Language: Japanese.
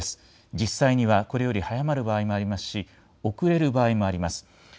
実際にはこれより早まる場合もありますし遅れる場合もあります。